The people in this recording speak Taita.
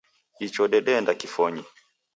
Icho dedeenda kifonyi